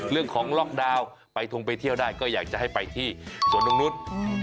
ล็อกดาวน์ไปทงไปเที่ยวได้ก็อยากจะให้ไปที่สวนตรงนุษย์